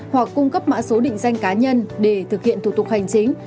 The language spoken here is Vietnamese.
hoặc cung cấp mã số định danh cá nhân để thực hiện thủ tục hành chính